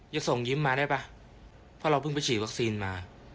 จะส่งยิ้มมาได้ป่ะเพราะเราเพิ่งไปฉีดวัคซีนมา